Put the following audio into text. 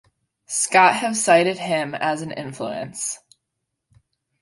Scott have cited him as an influence.